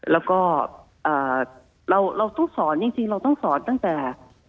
แล้วก็เราต้องสอนจริงเราต้องสอนตั้งแต่